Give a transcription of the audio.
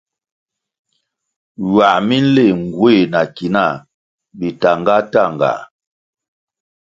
Ywăh mi nléh nguéh na ki nah bitahngatanhga.